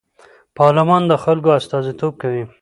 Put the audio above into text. پارلمان د خلکو استازیتوب کوي